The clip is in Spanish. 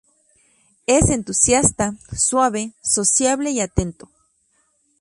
Es entusiasta, suave, sociable y atento.